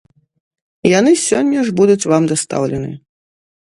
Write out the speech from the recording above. Яны сёння ж будуць вам дастаўлены.